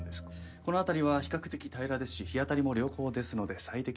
この辺りは比較的平らですし日当たりも良好ですので最適なんです。